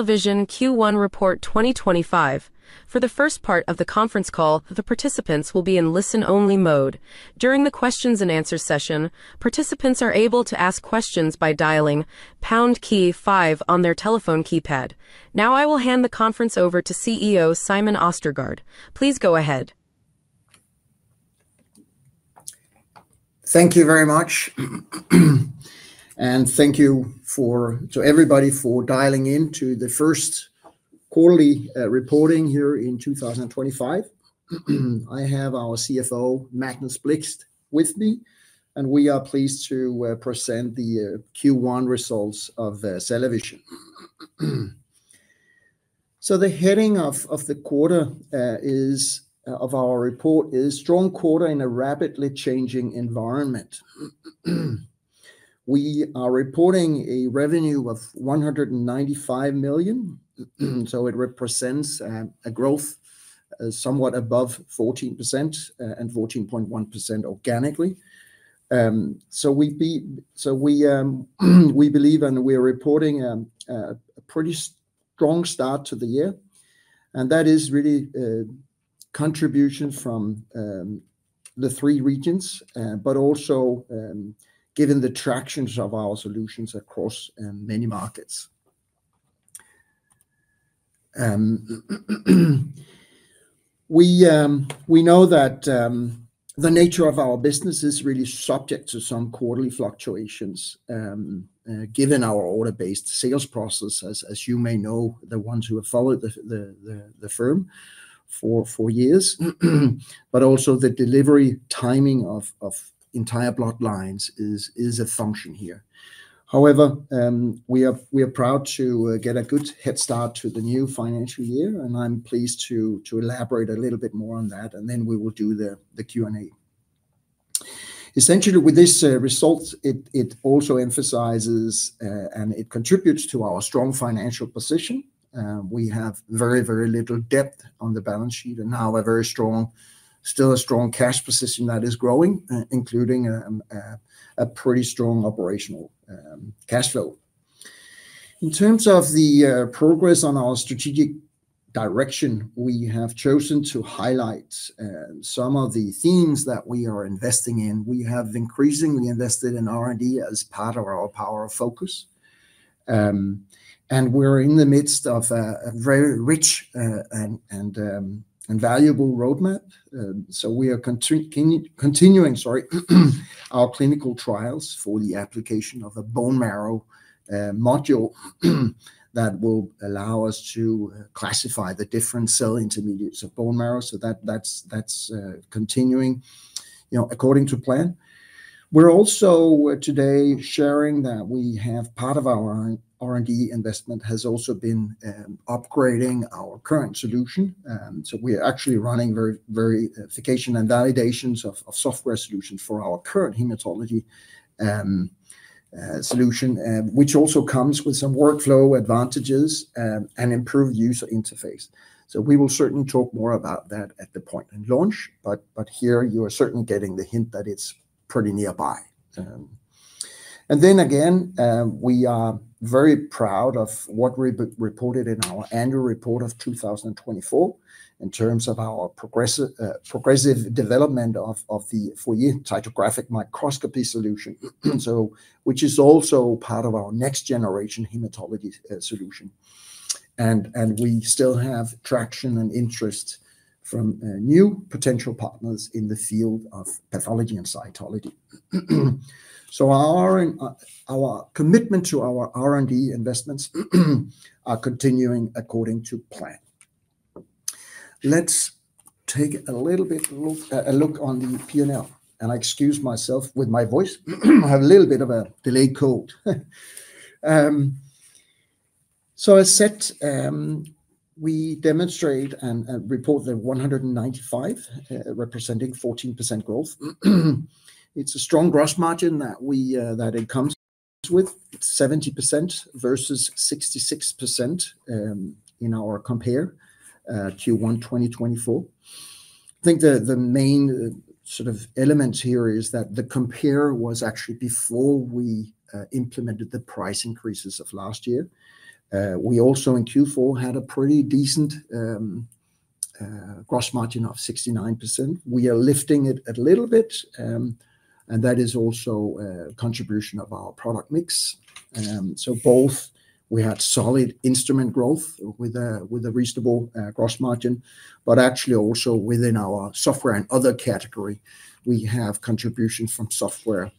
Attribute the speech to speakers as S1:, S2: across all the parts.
S1: CellaVision Q1 Report 2025. For the first part of the conference call, the participants will be in listen-only mode. During the Q&A session, participants are able to ask questions by dialing pound key five on their telephone keypad. Now I will hand the conference over to CEO Simon Østergaard. Please go ahead.
S2: Thank you very much, and thank you to everybody for dialing in to the first quarterly reporting here in 2025. I have our CFO, Magnus Blixt, with me, and we are pleased to present the Q1 results of CellaVision. The heading of the quarter of our report is Strong Quarter in a Rapidly Changing Environment. We are reporting a revenue of 195 million, which represents a growth somewhat above 14% and 14.1% organically. We believe and we are reporting a pretty strong start to the year, and that is really contributions from the three regions, but also given the traction of our solutions across many markets. We know that the nature of our business is really subject to some quarterly fluctuations, given our order-based sales process, as you may know the ones who have followed the firm for years. Also, the delivery timing of entire blood lines is a function here. However, we are proud to get a good head start to the new financial year, and I'm pleased to elaborate a little bit more on that, and then we will do the Q&A. Essentially, with this result, it also emphasizes and it contributes to our strong financial position. We have very, very little debt on the balance sheet and now a very strong, still a strong cash position that is growing, including a pretty strong operational cash flow. In terms of the progress on our strategic direction, we have chosen to highlight some of the themes that we are investing in. We have increasingly invested in R&D as part of our Power of Focus, and we're in the midst of a very rich and valuable roadmap. We are continuing our clinical trials for the application of a bone marrow module that will allow us to classify the different cell intermediates of bone marrow. That is continuing according to plan. We're also today sharing that part of our R&D investment has also been upgrading our current solution. We're actually running verification and validations of software solutions for our current hematology solution, which also comes with some workflow advantages and improved user interface. We will certainly talk more about that at the point and launch, but here you are certainly getting the hint that it's pretty nearby. We are very proud of what we reported in our annual report of 2024 in terms of our progressive development of the Fourier Ptychographic Microscopy solution, which is also part of our next generation hematology solution. We still have traction and interest from new potential partners in the field of pathology and cytology. Our commitment to our R&D investments are continuing according to plan. Let's take a little bit of a look on the P&L, and I excuse myself with my voice. I have a little bit of a delayed cold. As said, we demonstrate and report the 195 representing 14% growth. It's a strong gross margin that it comes with, 70% versus 66% in our compare Q1 2024. I think the main sort of element here is that the compare was actually before we implemented the price increases of last year. We also in Q4 had a pretty decent gross margin of 69%. We are lifting it a little bit, and that is also a contribution of our product mix. We had solid instrument growth with a reasonable gross margin, but actually also within our software and other category, we have contributions from software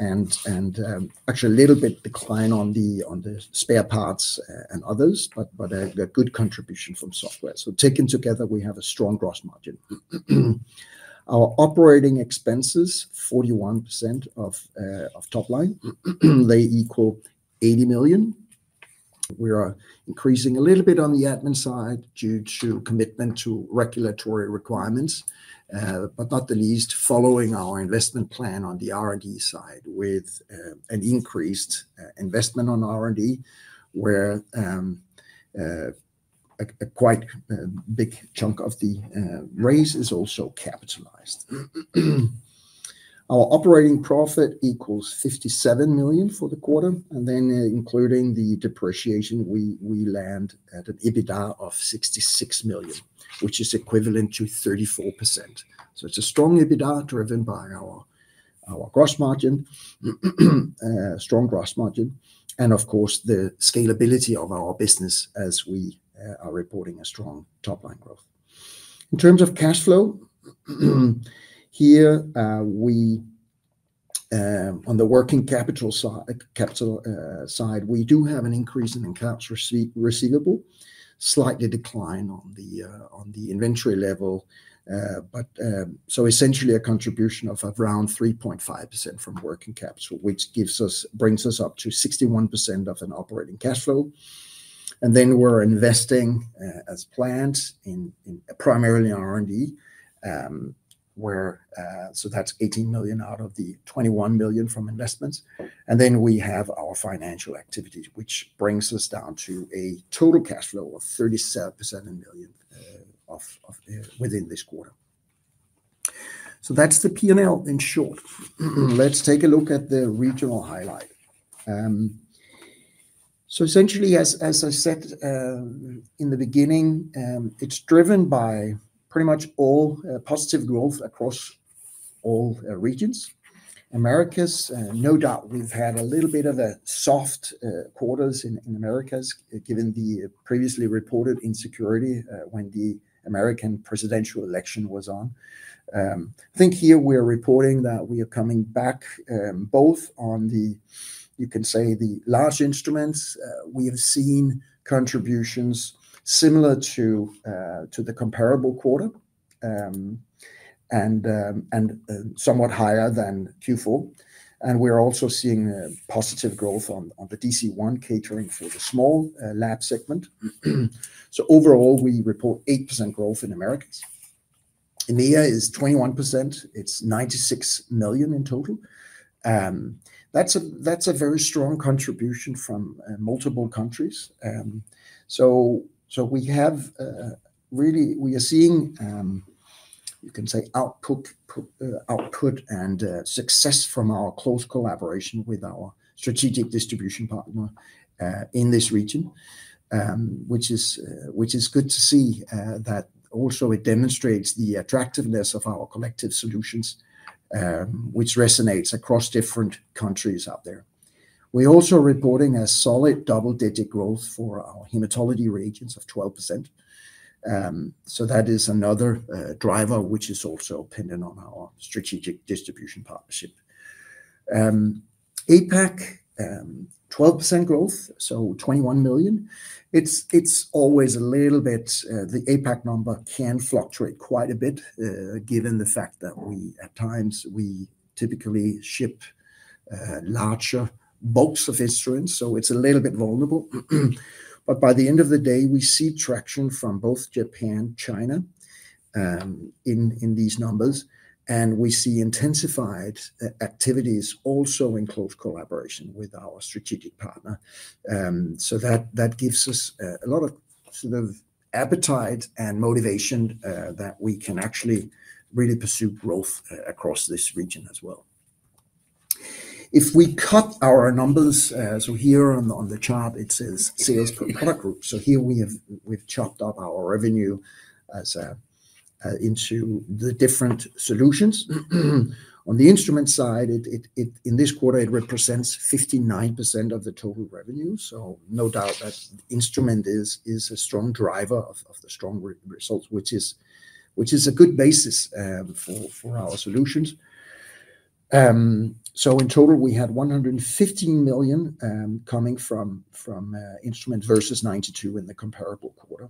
S2: and actually a little bit decline on the spare parts and others, but a good contribution from software. Taken together, we have a strong gross margin. Our operating expenses, 41% of top line, equal 80 million. We are increasing a little bit on the admin side due to commitment to regulatory requirements, but not the least following our investment plan on the R&D side with an increased investment on R&D, where a quite big chunk of the raise is also capitalized. Our operating profit equals 57 million for the quarter, and then including the depreciation, we land at an EBITDA of 66 million, which is equivalent to 34%. It is a strong EBITDA driven by our gross margin, strong gross margin, and of course the scalability of our business as we are reporting a strong top line growth. In terms of cash flow, here on the working capital side, we do have an increase in income receivable, slightly decline on the inventory level, but so essentially a contribution of around 3.5% from working capital, which brings us up to 61% of an operating cash flow. We are investing as planned in primarily R&D, where so that is 18 million out of the 21 million from investments. We have our financial activities, which brings us down to a total cash flow of 37 million within this quarter. That is the P&L in short. Let's take a look at the regional highlight. Essentially, as I said in the beginning, it's driven by pretty much all positive growth across all regions. Americas, no doubt we've had a little bit of a soft quarters in Americas given the previously reported insecurity when the American presidential election was on. I think here we are reporting that we are coming back both on the, you can say, the large instruments. We have seen contributions similar to the comparable quarter and somewhat higher than Q4. And we're also seeing positive growth on the DC-1 catering for the small lab segment. Overall, we report 8% growth in Americas. EMEA is 21%. It's 96 million in total. That's a very strong contribution from multiple countries. We have really, we are seeing, you can say, output and success from our close collaboration with our strategic distribution partner in this region, which is good to see that also it demonstrates the attractiveness of our collective solutions, which resonates across different countries out there. We're also reporting a solid double-digit growth for our hematology reagents of 12%. That is another driver, which is also pending on our strategic distribution partnership. APAC, 12% growth, so 21 million. It's always a little bit, the APAC number can fluctuate quite a bit given the fact that we at times we typically ship larger bulks of instruments, so it's a little bit vulnerable. By the end of the day, we see traction from both Japan and China in these numbers, and we see intensified activities also in close collaboration with our strategic partner. That gives us a lot of sort of appetite and motivation that we can actually really pursue growth across this region as well. If we cut our numbers, here on the chart, it says sales per product group. Here we have chopped up our revenue into the different solutions. On the instrument side, in this quarter, it represents 59% of the total revenue. No doubt that the instrument is a strong driver of the strong results, which is a good basis for our solutions. In total, we had 115 million coming from instruments versus 92 million in the comparable quarter.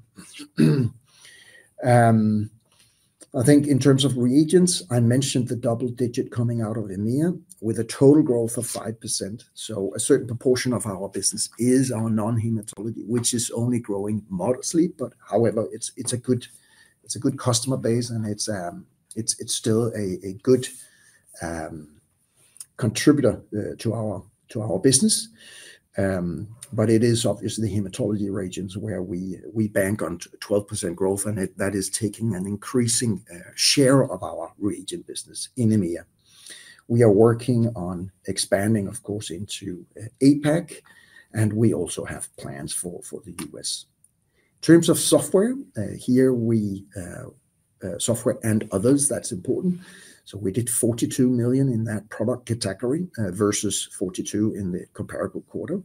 S2: I think in terms of reagents, I mentioned the double-digit coming out of EMEA with a total growth of 5%. A certain proportion of our business is our non-hematology, which is only growing modestly, however, it's a good customer base and it's still a good contributor to our business. It is obviously the hematology reagents where we bank on 12% growth, and that is taking an increasing share of our reagent business in EMEA. We are working on expanding, of course, into APAC, and we also have plans for the U.S. In terms of software, here we software and others, that's important. We did 42 million in that product category versus 42 million in the comparable quarter.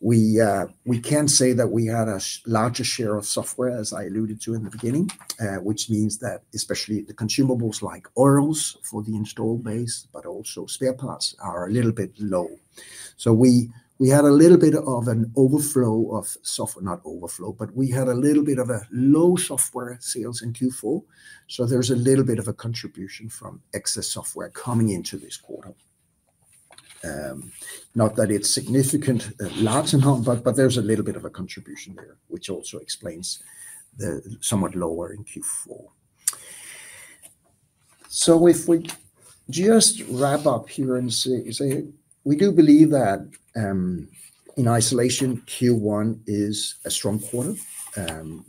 S2: We can say that we had a larger share of software, as I alluded to in the beginning, which means that especially the consumables like oils for the install base, but also spare parts are a little bit low. We had a little bit of an overflow of software, not overflow, but we had a little bit of a low software sales in Q4. There is a little bit of a contribution from excess software coming into this quarter. Not that it is a significant, large amount, but there is a little bit of a contribution there, which also explains the somewhat lower in Q4. If we just wrap up here and say, we do believe that in isolation, Q1 is a strong quarter.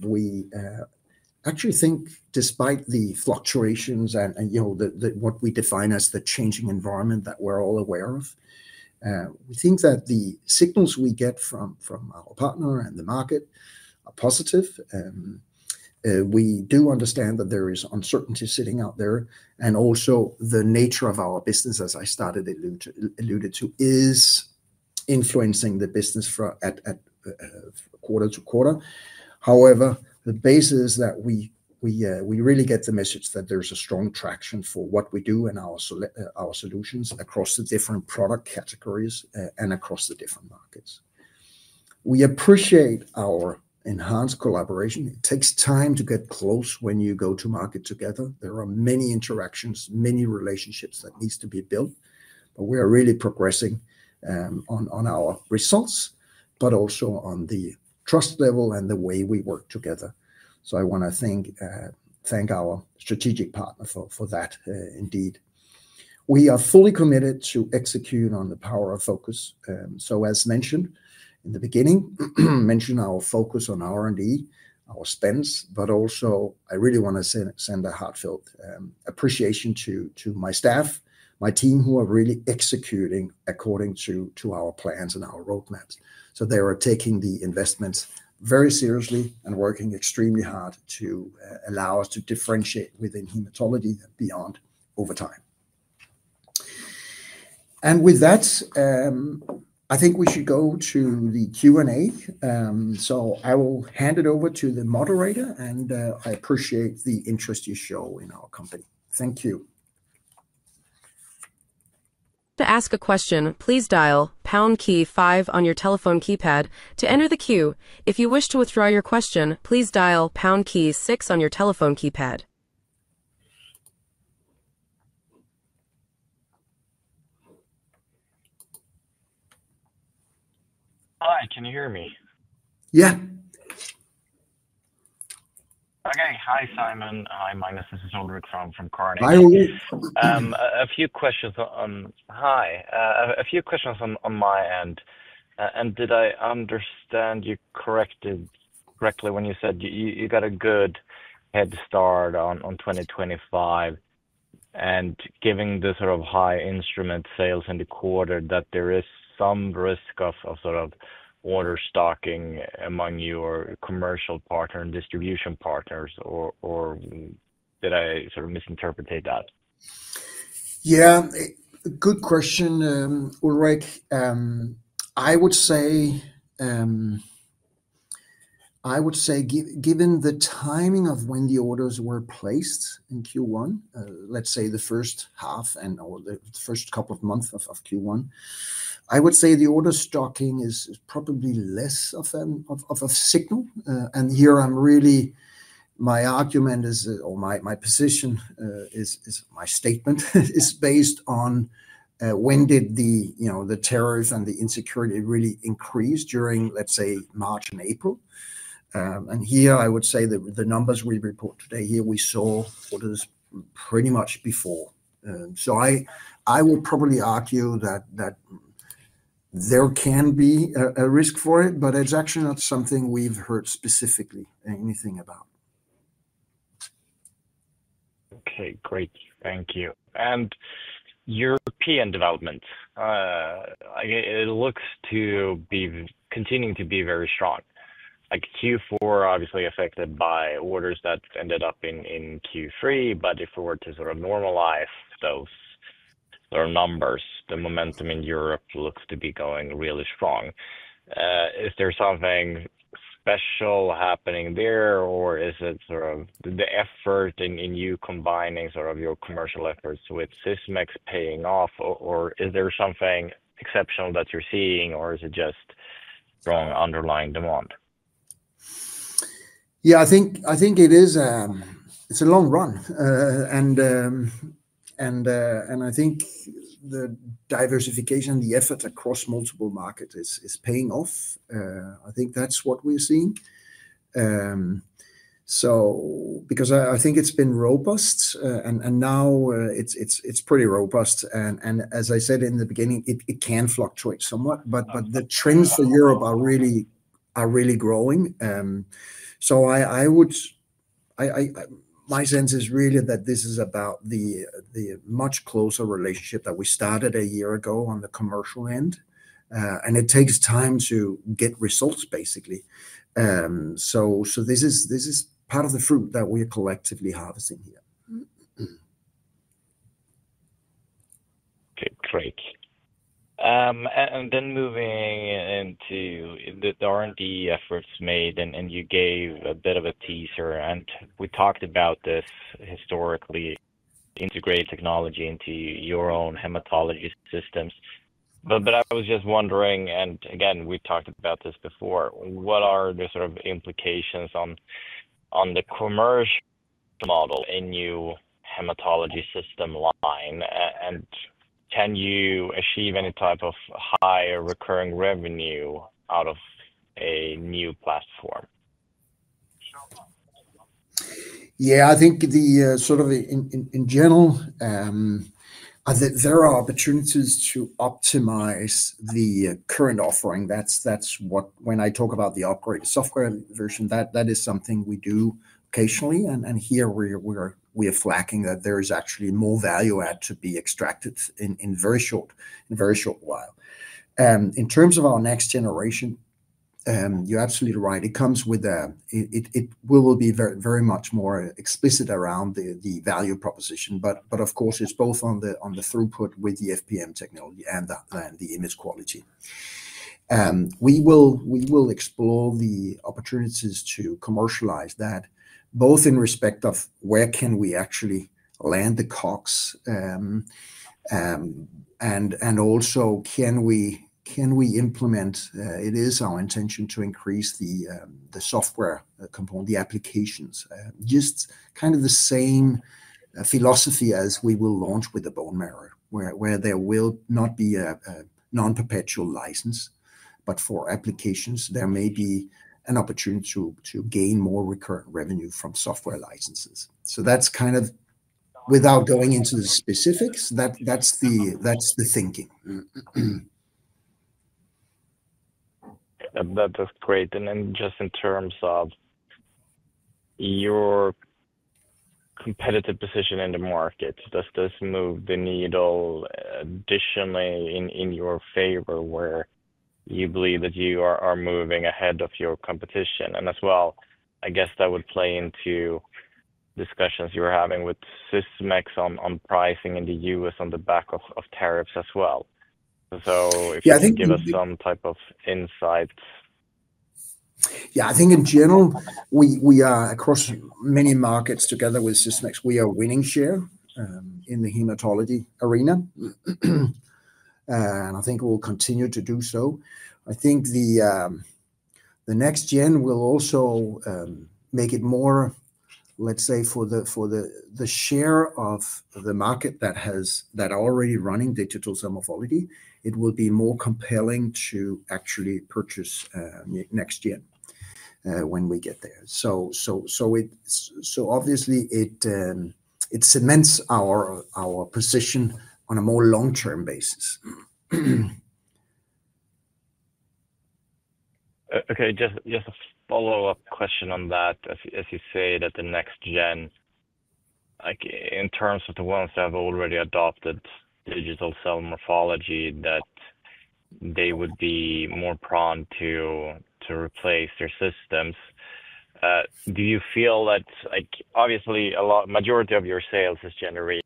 S2: We actually think despite the fluctuations and what we define as the changing environment that we are all aware of, we think that the signals we get from our partner and the market are positive. We do understand that there is uncertainty sitting out there, and also the nature of our business, as I started to allude to, is influencing the business quarter to quarter. However, the basis is that we really get the message that there's a strong traction for what we do and our solutions across the different product categories and across the different markets. We appreciate our enhanced collaboration. It takes time to get close when you go to market together. There are many interactions, many relationships that need to be built, but we are really progressing on our results, but also on the trust level and the way we work together. I want to thank our strategic partner for that indeed. We are fully committed to execute on the Power of Focus. As mentioned in the beginning, mentioned our focus on R&D, our spends, but also I really want to send a heartfelt appreciation to my staff, my team who are really executing according to our plans and our roadmaps. They are taking the investments very seriously and working extremely hard to allow us to differentiate within hematology beyond over time. With that, I think we should go to the Q&A. I will hand it over to the moderator, and I appreciate the interest you show in our company. Thank you.
S1: To ask a question, please dial pound key five on your telephone keypad to enter the queue. If you wish to withdraw your question, please dial pound key six on your telephone keypad.
S3: Hi, can you hear me?
S2: Yeah.
S3: Okay. Hi, Simon. Hi, Magnus. This is Ulrik from Carnegie. A few questions on my end. Did I understand you correctly when you said you got a good head start on 2025 and given the sort of high instrument sales in the quarter that there is some risk of sort of order stocking among your commercial partner and distribution partners, or did I sort of misinterpret that?
S2: Yeah. Good question, Ulrik. I would say given the timing of when the orders were placed in Q1, let's say the first half and the first couple of months of Q1, I would say the order stocking is probably less of a signal. Here I'm really, my argument is, or my position is, my statement is based on when did the tariffs and the insecurity really increase during, let's say, March and April. Here I would say the numbers we report today, here we saw orders pretty much before. I will probably argue that there can be a risk for it, but it's actually not something we've heard specifically anything about.
S3: Okay, great. Thank you. European development, it looks to be continuing to be very strong. Like Q4, obviously affected by orders that ended up in Q3, but if we were to sort of normalize those numbers, the momentum in Europe looks to be going really strong. Is there something special happening there, or is it sort of the effort in you combining sort of your commercial efforts with Sysmex paying off, or is there something exceptional that you're seeing, or is it just strong underlying demand?
S2: Yeah, I think it is a long run. I think the diversification, the effort across multiple markets is paying off. I think that's what we're seeing. I think it's been robust, and now it's pretty robust. As I said in the beginning, it can fluctuate somewhat, but the trends for Europe are really growing. My sense is really that this is about the much closer relationship that we started a year ago on the commercial end, and it takes time to get results basically. This is part of the fruit that we are collectively harvesting here.
S3: Okay, great. Then moving into the R&D efforts made, and you gave a bit of a teaser, and we talked about this historically. Integrate technology into your own hematology systems. I was just wondering, and again, we talked about this before, what are the sort of implications on the commercial model in your hematology system line? Can you achieve any type of higher recurring revenue out of a new platform?
S2: Yeah, I think the sort of in general, there are opportunities to optimize the current offering. That's when I talk about the upgraded software version, that is something we do occasionally. Here we are flagging that there is actually more value add to be extracted in very short, in very short while. In terms of our next generation, you're absolutely right. It comes with a, it will be very much more explicit around the value proposition, but of course, it's both on the throughput with the FPM technology and the image quality. We will explore the opportunities to commercialize that, both in respect of where can we actually land the COGS, and also can we implement, it is our intention to increase the software component, the applications, just kind of the same philosophy as we will launch with the bone marrow, where there will not be a non-perpetual license, but for applications, there may be an opportunity to gain more recurrent revenue from software licenses. That is kind of without going into the specifics, that is the thinking.
S3: That's great. In terms of your competitive position in the market, does this move the needle additionally in your favor where you believe that you are moving ahead of your competition? I guess that would play into discussions you were having with Sysmex on pricing in the U.S. on the back of tariffs as well. If you can give us some type of insight.
S2: Yeah, I think in general, we are across many markets together with Sysmex, we are winning share in the hematology arena. I think we'll continue to do so. I think the next gen will also make it more, let's say, for the share of the market that has that already running digital cell morphology, it will be more compelling to actually purchase next gen when we get there. Obviously, it cements our position on a more long-term basis.
S3: Okay, just a follow-up question on that. As you say that the next gen, in terms of the ones that have already adopted digital cell morphology, that they would be more prone to replace their systems. Do you feel that obviously a majority of your sales is generated.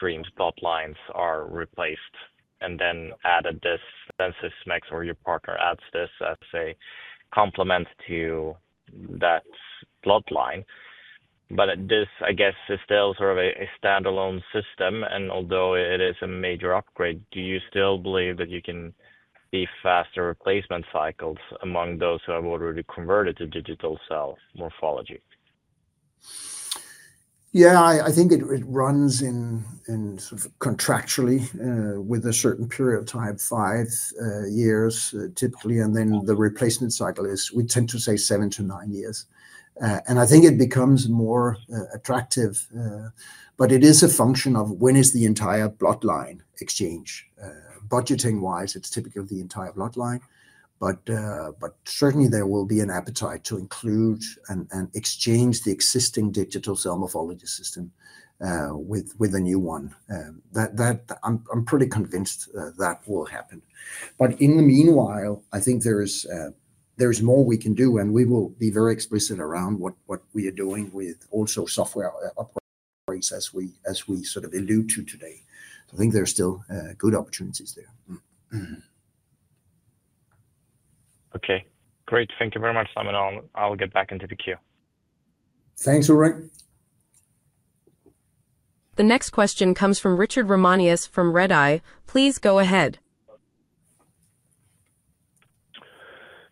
S3: Streams, bloodlines are replaced and then added this, then Sysmex or your partner adds this as a complement to that bloodline. This, I guess, is still sort of a standalone system. Although it is a major upgrade, do you still believe that you can be faster replacement cycles among those who have already converted to digital cell morphology?
S2: Yeah, I think it runs in contractually with a certain period of time, five years typically, and then the replacement cycle is, we tend to say seven to nine years. I think it becomes more attractive, but it is a function of when is the entire bloodline exchange. Budgeting-wise, it's typically the entire bloodline, but certainly there will be an appetite to include and exchange the existing digital cell morphology system with a new one. I'm pretty convinced that will happen. In the meanwhile, I think there is more we can do, and we will be very explicit around what we are doing with also software upgrades as we sort of allude to today. I think there are still good opportunities there.
S3: Okay, great. Thank you very much, Simon. I'll get back into the queue.
S2: Thanks, Ulrik.
S1: The next question comes from Richard Ramanius from Redeye. Please go ahead.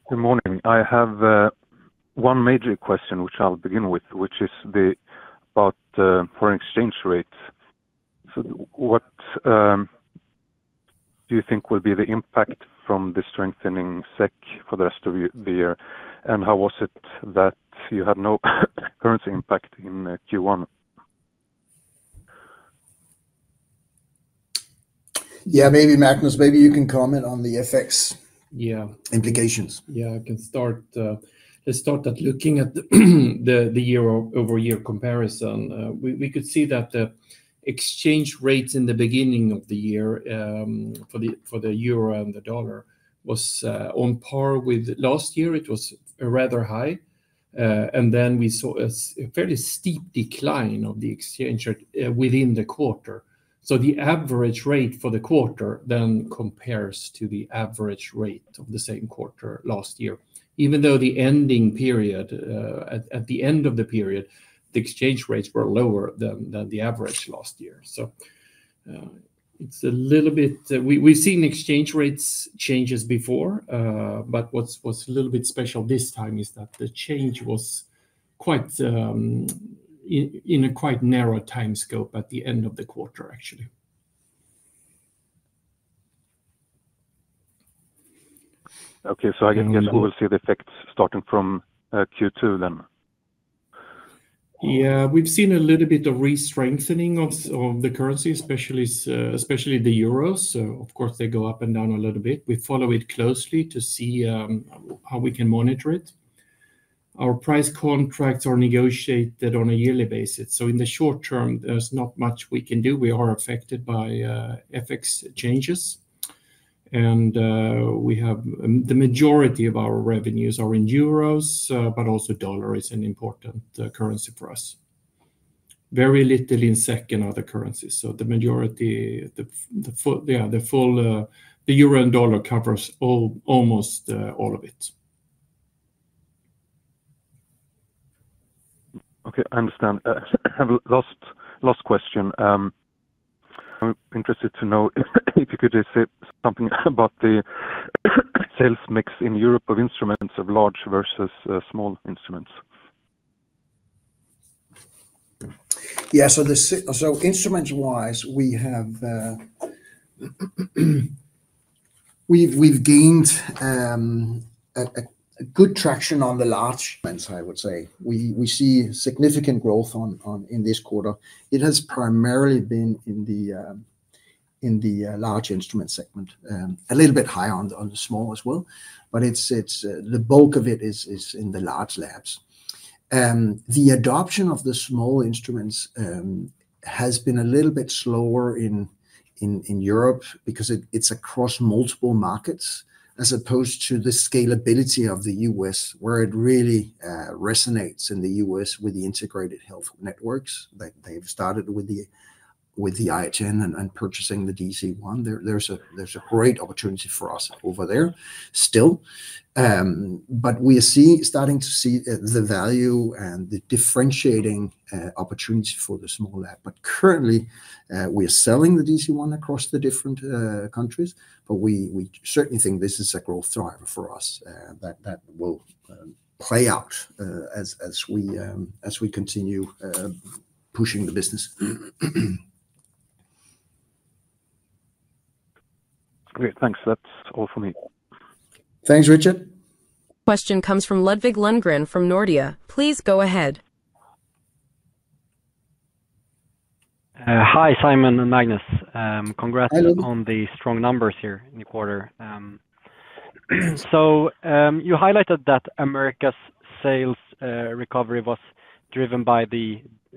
S4: Good morning. I have one major question, which I'll begin with, which is about foreign exchange rates. What do you think will be the impact from the strengthening SEK for the rest of the year? How was it that you had no currency impact in Q1?
S2: Yeah, maybe Magnus, maybe you can comment on the FX implications.
S5: Yeah, I can start. Let's start at looking at the year-over-year comparison. We could see that the exchange rates in the beginning of the year for the euro and the dollar was on par with last year. It was rather high. We saw a fairly steep decline of the exchange rate within the quarter. The average rate for the quarter then compares to the average rate of the same quarter last year, even though the ending period, at the end of the period, the exchange rates were lower than the average last year. It's a little bit, we've seen exchange rates changes before, but what's a little bit special this time is that the change was in a quite narrow time scope at the end of the quarter, actually.
S4: Okay, so I guess we will see the effects starting from Q2 then.
S5: Yeah, we've seen a little bit of restrengthening of the currency, especially the euro. Of course, they go up and down a little bit. We follow it closely to see how we can monitor it. Our price contracts are negotiated on a yearly basis. In the short term, there's not much we can do. We are affected by FX changes. The majority of our revenues are in euro, but also dollar is an important currency for us. Very little in SEK and other currencies. The majority, yeah, the euro and dollar covers almost all of it.
S4: Okay, I understand. Last question. I'm interested to know if you could say something about the sales mix in Europe of instruments of large versus small instruments.
S2: Yeah, so instruments-wise, we've gained good traction on the large. I would say. We see significant growth in this quarter. It has primarily been in the large instrument segment, a little bit higher on the small as well, but the bulk of it is in the large labs. The adoption of the small instruments has been a little bit slower in Europe because it's across multiple markets as opposed to the scalability of the U.S., where it really resonates in the U.S. with the integrated health networks. They've started with the iGen and purchasing the DC-1. There's a great opportunity for us over there still. We are starting to see the value and the differentiating opportunity for the small lab. Currently, we are selling the DC-1 across the different countries, but we certainly think this is a growth driver for us that will play out as we continue pushing the business.
S4: Great, thanks. That's all for me.
S2: Thanks, Richard.
S1: Question comes from Ludvig Lundgren from Nordea. Please go ahead.
S6: Hi, Simon and Magnus. Congrats on the strong numbers here in the quarter. You highlighted that Americas sales recovery was driven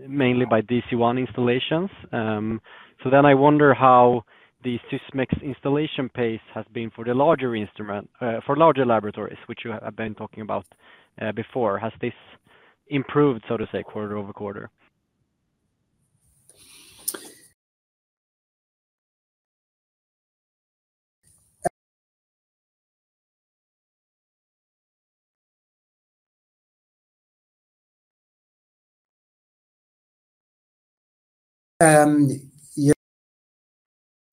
S6: mainly by DC-1 installations. I wonder how the Sysmex installation pace has been for the larger instrument, for larger laboratories, which you have been talking about before. Has this improved, so to say, quarter-over-quarter?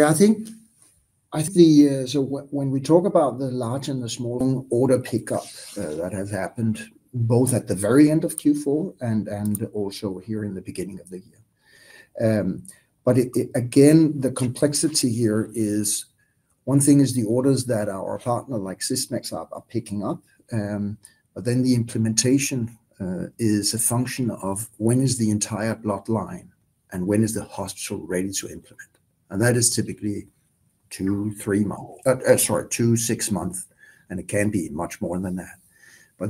S2: Yeah, I think when we talk about the large and the small, long order pickup that has happened both at the very end of Q4 and also here in the beginning of the year. Again, the complexity here is one thing is the orders that our partner like Sysmex are picking up, but then the implementation is a function of when is the entire bloodline and when is the hospital ready to implement. That is typically two-six months, sorry, two-six months, and it can be much more than that.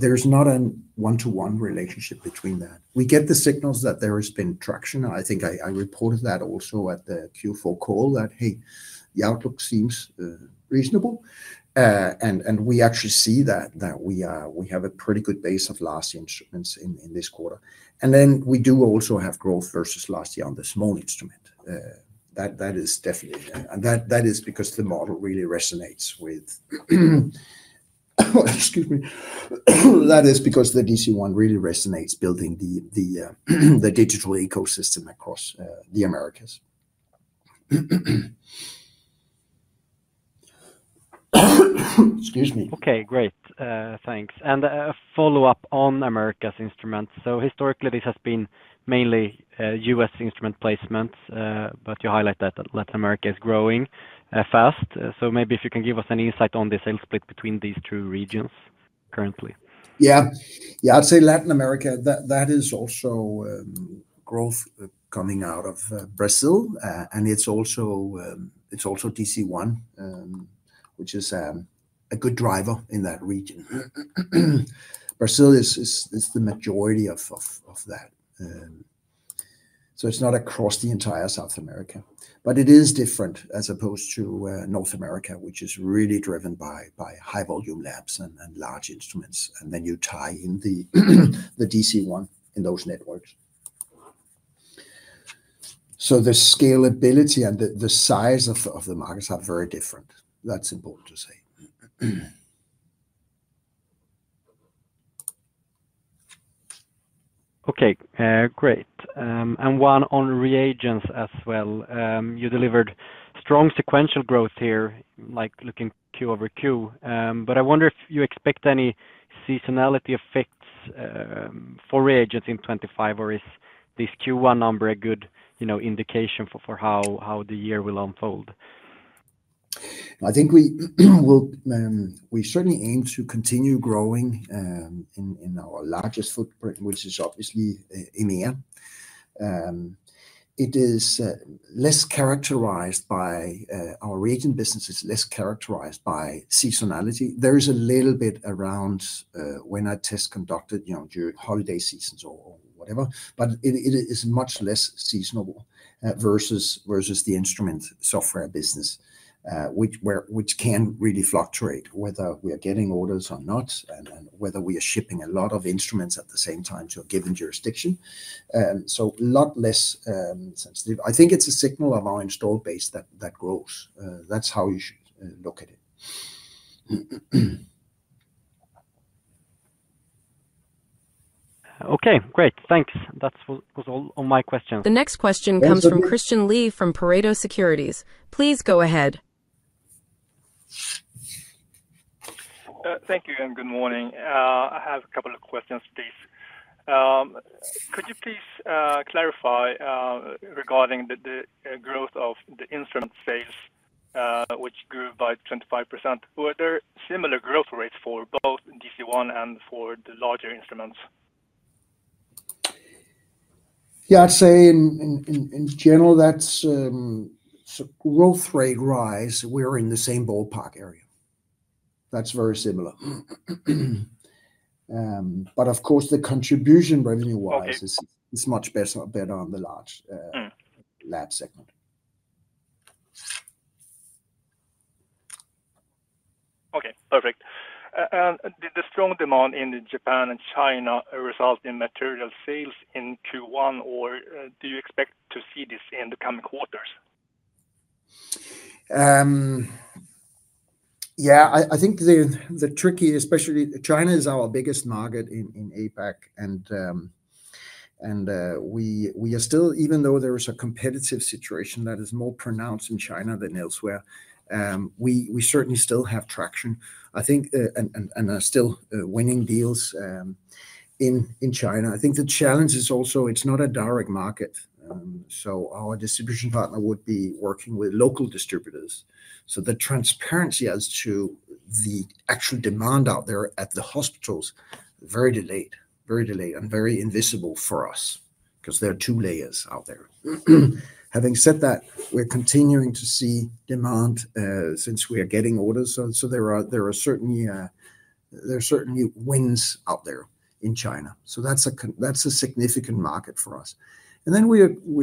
S2: There is not a one-to-one relationship between that. We get the signals that there has been traction. I think I reported that also at the Q4 call that, hey, the outlook seems reasonable. We actually see that we have a pretty good base of last instruments in this quarter. We do also have growth versus last year on the small instrument. That is definitely because the DC-1 really resonates, building the digital ecosystem across the Americas. Excuse me.
S6: Okay, great. Thanks. A follow-up on Americas instruments. Historically, this has been mainly U.S. instrument placements, but you highlight that Latin America is growing fast. Maybe if you can give us an insight on the sales split between these two regions currently.
S2: Yeah, yeah, I'd say Latin America, that is also growth coming out of Brazil. And it's also DC-1, which is a good driver in that region. Brazil is the majority of that. So it's not across the entire South America, but it is different as opposed to North America, which is really driven by high-volume labs and large instruments. And then you tie in the DC-1 in those networks. So the scalability and the size of the markets are very different. That's important to say.
S6: Okay, great. One on reagents as well. You delivered strong sequential growth here, like looking Q-over-Q. I wonder if you expect any seasonality effects for reagents in 2025, or is this Q1 number a good indication for how the year will unfold?
S2: I think we certainly aim to continue growing in our largest footprint, which is obviously EMEA. It is less characterized by our reagent businesses, less characterized by seasonality. There is a little bit around when a test conducted during holiday seasons or whatever, but it is much less seasonal versus the instrument software business, which can really fluctuate whether we are getting orders or not and whether we are shipping a lot of instruments at the same time to a given jurisdiction. A lot less sensitive. I think it's a signal of our installed base that grows. That's how you should look at it.
S6: Okay, great. Thanks. That was all my questions.
S1: The next question comes from Christian Lee from Pareto Securities. Please go ahead.
S7: Thank you and good morning. I have a couple of questions to these. Could you please clarify regarding the growth of the instrument sales, which grew by 25%? Were there similar growth rates for both DC-1 and for the larger instruments?
S2: Yeah, I'd say in general, that's a growth rate rise. We're in the same ballpark area. That's very similar. Of course, the contribution revenue-wise is much better on the large lab segment.
S7: Okay, perfect. Did the strong demand in Japan and China result in material sales in Q1, or do you expect to see this in the coming quarters?
S2: Yeah, I think the tricky, especially China is our biggest market in APAC, and we are still, even though there is a competitive situation that is more pronounced in China than elsewhere, we certainly still have traction, I think, and are still winning deals in China. I think the challenge is also it's not a direct market. Our distribution partner would be working with local distributors. The transparency as to the actual demand out there at the hospitals is very delayed, very delayed, and very invisible for us because there are two layers out there. Having said that, we're continuing to see demand since we are getting orders. There are certainly wins out there in China. That's a significant market for us. We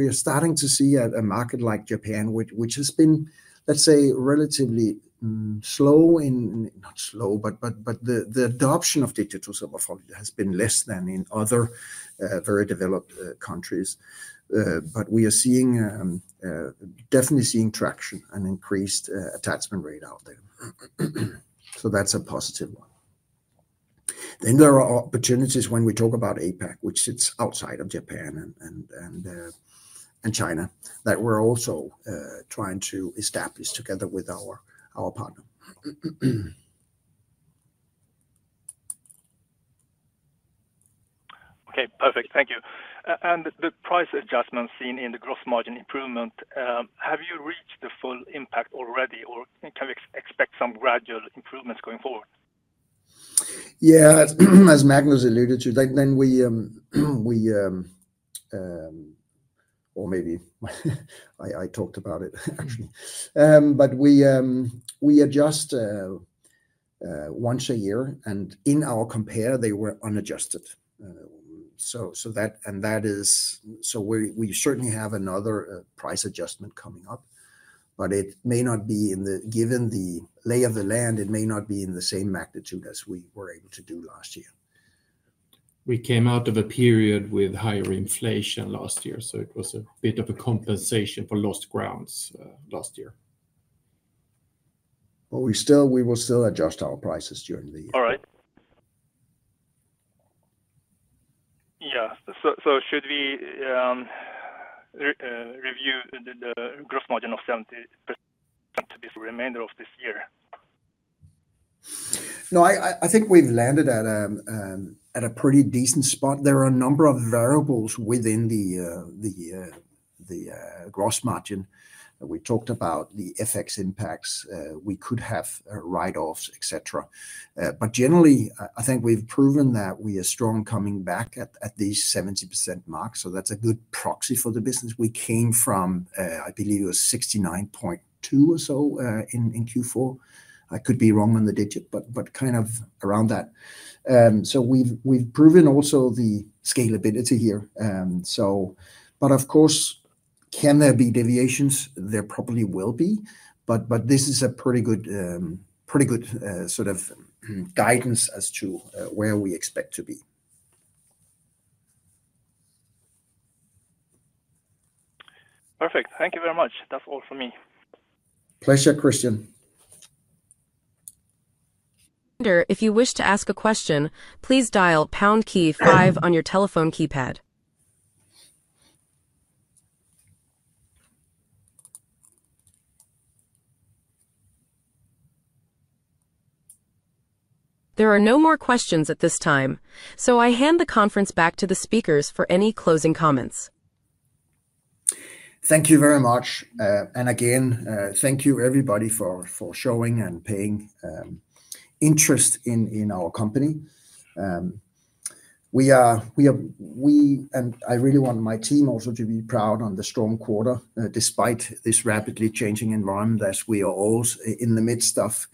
S2: are starting to see a market like Japan, which has been, let's say, relatively slow in, not slow, but the adoption of digital cell morphology has been less than in other very developed countries. We are definitely seeing traction and increased attachment rate out there. That is a positive one. There are opportunities when we talk about APAC, which sits outside of Japan and China, that we are also trying to establish together with our partner.
S7: Okay, perfect. Thank you. The price adjustment seen in the gross margin improvement, have you reached the full impact already, or can we expect some gradual improvements going forward?
S2: Yeah, as Magnus alluded to, then we, or maybe I talked about it, actually. We adjust once a year, and in our compare, they were unadjusted. That is, we certainly have another price adjustment coming up, but it may not be in the, given the lay of the land, it may not be in the same magnitude as we were able to do last year. We came out of a period with higher inflation last year, so it was a bit of a compensation for lost grounds last year. We will still adjust our prices during the year.
S7: All right. Yeah. Should we review the gross margin of 70% to the remainder of this year?
S2: No, I think we've landed at a pretty decent spot. There are a number of variables within the gross margin. We talked about the FX impacts. We could have write-offs, etc. Generally, I think we've proven that we are strong coming back at the 70% mark. That's a good proxy for the business. We came from, I believe it was 69.2% or so in Q4. I could be wrong on the digit, but kind of around that. We've proven also the scalability here. Of course, can there be deviations? There probably will be. This is a pretty good sort of guidance as to where we expect to be.
S7: Perfect. Thank you very much. That's all from me.
S2: Pleasure, Christian.
S1: If you wish to ask a question, please dial pound key five on your telephone keypad. There are no more questions at this time. I hand the conference back to the speakers for any closing comments.
S2: Thank you very much. Thank you everybody for showing and paying interest in our company. I really want my team also to be proud on the strong quarter despite this rapidly changing environment as we are all in the midst of.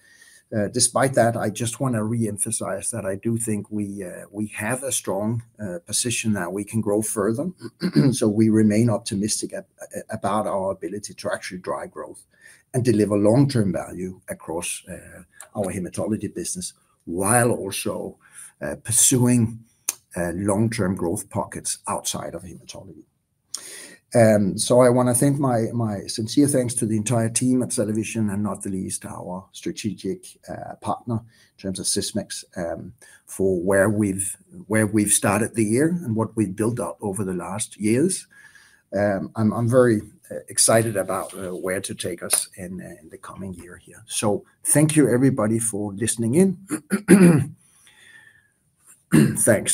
S2: Despite that, I just want to reemphasize that I do think we have a strong position that we can grow further. We remain optimistic about our ability to actually drive growth and deliver long-term value across our hematology business while also pursuing long-term growth pockets outside of hematology. I want to thank my sincere thanks to the entire team at CellaVision, and not the least our strategic partner in terms of Sysmex for where we've started the year and what we've built up over the last years. I'm very excited about where to take us in the coming year here. Thank you everybody for listening in. Thanks.